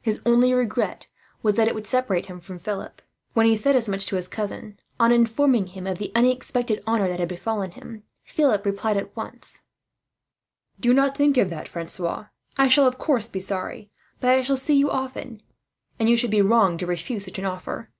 His only regret was that it would separate him from Philip. When he said as much to his cousin, on informing him of the unexpected honour that had befallen him, Philip replied at once: "Do not think of that, Francois. I shall of course be sorry; but I shall see you often, and you would be wrong to refuse such an offer.